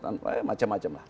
dan macam macam lah